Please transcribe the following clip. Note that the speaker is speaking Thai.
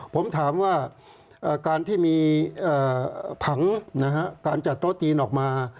ผมถามว่าการที่มีผังการจัดโต๊ะจีนออกมา